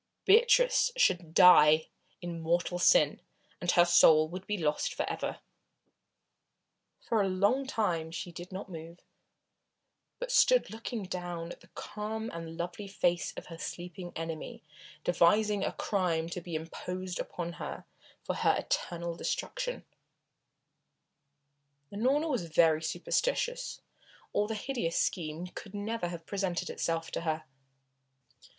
Beatrice should die in mortal sin, and her soul would be lost for ever. For a long time she did not move, but stood looking down at the calm and lovely face of her sleeping enemy, devising a crime to be imposed upon her for her eternal destruction. Unorna was very superstitious, or the hideous scheme could never have presented itself to her.